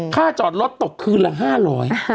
จอดรถตกคืนละ๕๐๐บาท